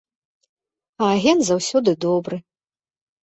А агент заўсёды добры.